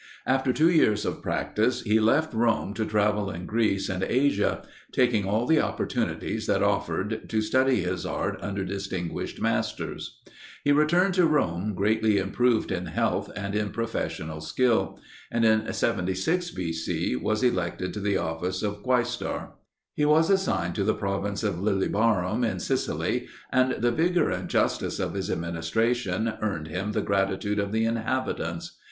After two years of practice he left Rome to travel in Greece and Asia, taking all the opportunities that offered to study his art under distinguished masters. He returned to Rome greatly improved in health and in professional skill, and in 76 B. C. was elected to the office of quaestor. He was assigned to the province of Lilybaeum in Sicily, and the vigor and justice of his administration earned him the gratitude of the inhabitants.